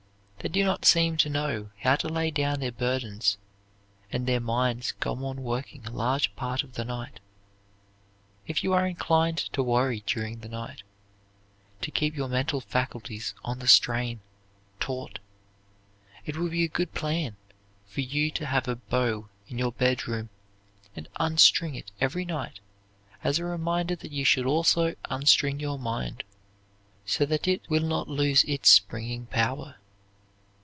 They do not seem to know how to lay down their burdens, and their minds go on working a large part of the night. If you are inclined to worry during the night, to keep your mental faculties on the strain, taut, it will be a good plan for you to have a bow in your bedroom and unstring it every night as a reminder that you should also unstring your mind so that it will not lose its springing power.